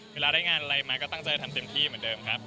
เวลาได้งานอะไรมาก็ตั้งใจทำเต็มที่เหมือนเดิมครับ